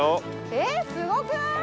えっすごくない？